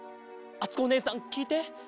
あつこおねえさんきいて。